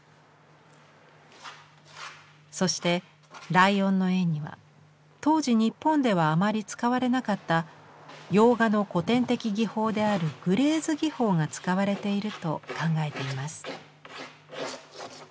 そしてライオンの絵には当時日本ではあまり使われなかった洋画の古典的技法であるグレーズ技法が使われていると考えています。